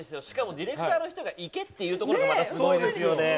ディレクターの人が行けっていうところがまたすごいですよね。